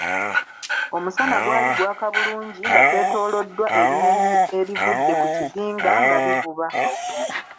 Omusana gwali gwaka bulungi nga twetooloddwa ebinyoni ebivudde ku kizinga nga bivuba.